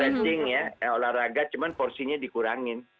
bensin ya olahraga cuman porsinya dikurangin